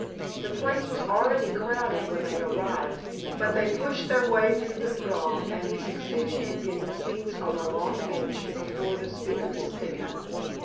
The place was already crowded when they arrived, but they pushed their way through the throng and succeeded in getting seats on a long bench before the speakers' stand.